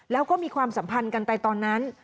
แล้วก็มีความสัมพันธ์กันไปตอนนั้น